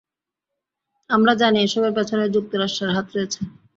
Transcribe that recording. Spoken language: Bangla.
আমরা জানি এসবের পেছনে যুক্তরাষ্ট্রের হাত রয়েছে!